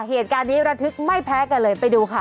เหตุการณ์นี้ระทึกไม่แพ้กันเลยไปดูค่ะ